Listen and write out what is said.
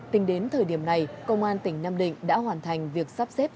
tính đến thời điểm này công an tỉnh nam định đã hoàn thành việc sắp xếp